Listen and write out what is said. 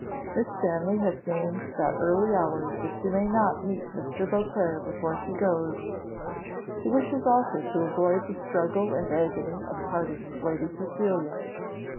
Miss Stanley has named that early hour, that she may not meet Mr. Beauclerc before she goes; she wishes also to avoid the struggle and agony of parting with Lady Cecilia.